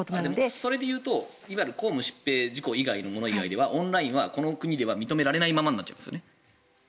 それでいうといわゆる公務、疾病、事故以外のものではオンラインではこの国では認められないままになっちゃいますよね。